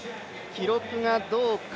記録がどうか。